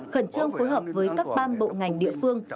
khẩn trương phối hợp với các ban bộ ngành địa phương